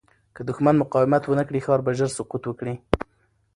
که دښمن مقاومت ونه کړي، ښار به ژر سقوط وکړي.